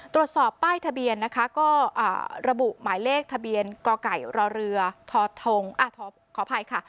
ตรวจสอบป้ายทะเบียนนะคะก็ระบุหมายเลขทะเบียนกไก่รอเรือทงขออภัยค่ะ